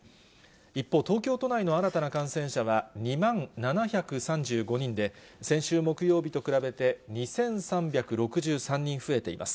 一方、東京都内の新たな感染者は２万７３５人で、先週木曜日と比べて２３６３人増えています。